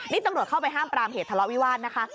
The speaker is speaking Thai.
นี่ตำรวจเข้าไปห้ามปรามเหตุทะเลาะวิวาสนะคะ